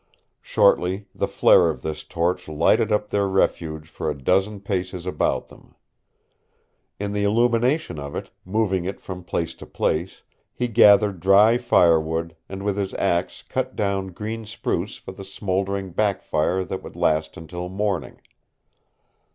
Shortly the flare of this torch lighted up their refuge for a dozen paces about them. In the illumination of it, moving it from place to place, he gathered dry fire wood and with his axe cut down green spruce for the smouldering back fire that would last until morning.